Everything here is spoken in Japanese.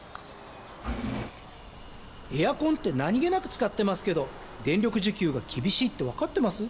エアコンって何気なく使ってますけど、電力需給が厳しいって、分かってます？